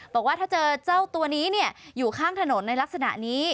บอกว่าถ้าเจอเจ้าตัวนี้อยู่ข้างถนนในลักษณะนี้